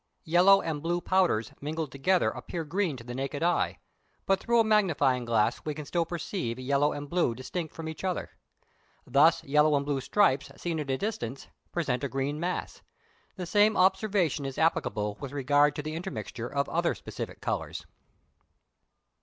Yellow and blue powders mingled together appear green to the naked eye, but through a magnifying glass we can still perceive yellow and blue distinct from each other. Thus yellow and blue stripes seen at a distance, present a green mass; the same observation is applicable with regard to the intermixture of other specific colours. 561.